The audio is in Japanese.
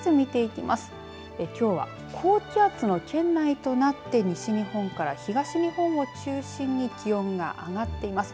きょうは高気圧の圏内となって、西日本から東日本を中心に気温が上がっています。